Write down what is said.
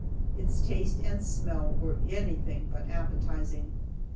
Its taste and smell were anything but appetizing.